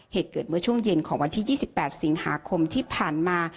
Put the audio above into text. เหตุเกิดเมื่อช่วงเย็นของวันที่๒๘สิงหาคมที่ผ่านมา